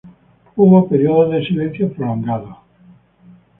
Hubo períodos de silencio prolongado.